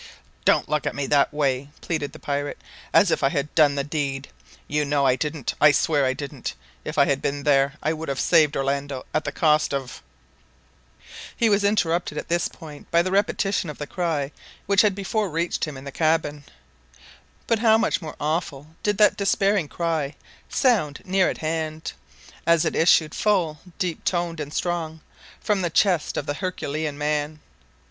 "Don't look at me that way," pleaded the pirate, "as if I had done the deed. You know I didn't. I swear I didn't! If I had been there, I would have saved Orlando at the cost of " He was interrupted at this point by the repetition of the cry which had before reached him in the cabin; but how much more awful did that despairing cry sound near at hand, as it issued full, deep toned, and strong, from the chest of the Herculean man!